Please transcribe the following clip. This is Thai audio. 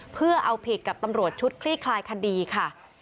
เพื่อเอาผิดกับตำรวจชุดคลี่คลายคดีค่ะ